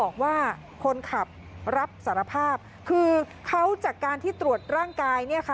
คือเขาจากการที่ตรวจร่างกาย